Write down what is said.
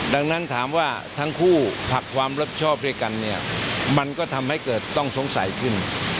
ดังนั้นถามว่าทั้งคู่ผลักความรับชอบด้วยกันเนี่ยมันก็ทำให้เกิดต้องสงสัยขึ้น